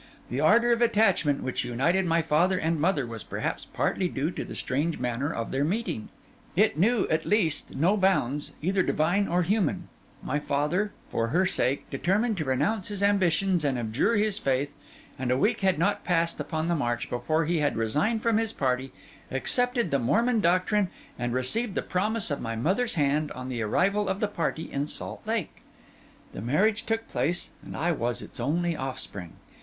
The ardour of attachment which united my father and mother was perhaps partly due to the strange manner of their meeting; it knew, at least, no bounds either divine or human; my father, for her sake, determined to renounce his ambitions and abjure his faith; and a week had not yet passed upon the march before he had resigned from his party, accepted the Mormon doctrine, and received the promise of my mother's hand on the arrival of the party at Salt Lake. The marriage took place, and I was its only offspring.